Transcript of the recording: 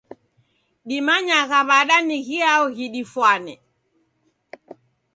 Dimanyagha w'ada ni ghiao ghidifwane?